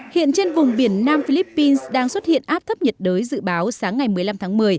hiện trên vùng biển nam philippines đang xuất hiện áp thấp nhiệt đới dự báo sáng ngày một mươi năm tháng một mươi